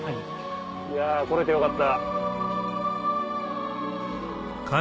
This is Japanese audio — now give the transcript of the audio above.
いや来れてよかった。